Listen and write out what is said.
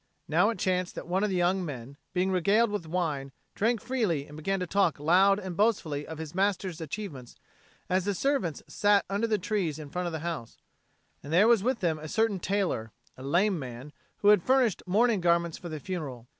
Now it chanced that one of the young men, being regaled with wine, drank very freely, and began to talk loud and boastfully of his master's achievements as the servants sat under the trees in front of the house; and there was with them a certain tailor, a lame man, who had furnished mourning garments for the funeral.